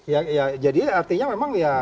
ya jadi artinya memang ya